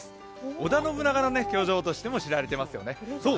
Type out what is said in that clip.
織田信長の居城としても知られていますね。